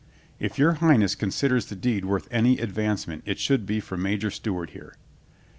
"If Your Highness considers the deed worth any advancement, it should be for Major Stewart here."